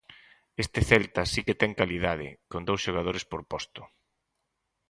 Este Celta si que ten calidade, con dous xogadores por posto.